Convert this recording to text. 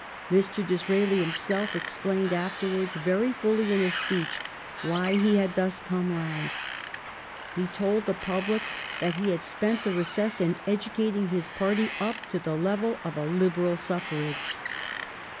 Mr. Disraeli himself explained afterwards very fully in a speech why he had thus come round. He told the public that he had spent the recess in educating his party up to the level of a liberal suffrage.